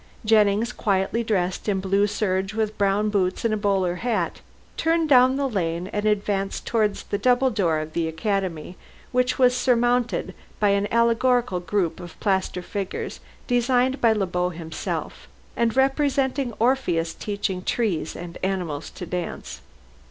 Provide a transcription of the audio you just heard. Jennings, quietly dressed in blue serge with brown boots and a bowler hat, turned down the lane and advanced towards the double door of the Academy, which was surmounted by an allegorical group of plaster figures designed by Le Beau himself, and representing Orpheus teaching trees and animals to dance.